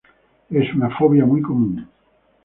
Es una fobia muy común.